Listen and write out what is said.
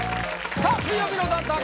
さあ「水曜日のダウンタウン」